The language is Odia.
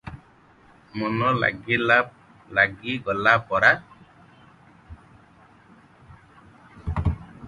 ମନ ଲାଗିଗଲା ପରା ।